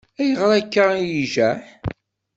Ayɣer akka i ijaḥ?